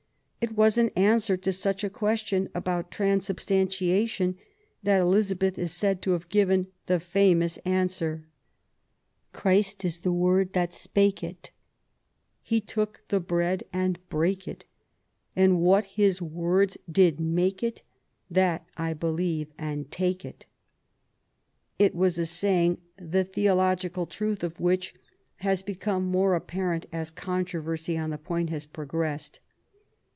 It was in answer to such a question about transubstantiatioij that Elizabeth is said to have given the famoui answer :—/ THE YOUTH OF ^ELIZABETH, 37 Christ was the word that spake it, He took the bread and brake it ; And what His words did make it That I believe and take it. It was a saying the theological truth of which las become more apparent as controversy on the 3oint has progressed.